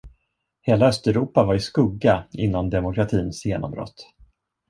Hela östeuropa var i skugga innan demokratins genombrott.